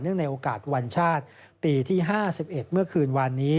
ในโอกาสวันชาติปีที่๕๑เมื่อคืนวานนี้